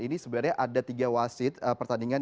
ini sebenarnya ada tiga wasit pertandingan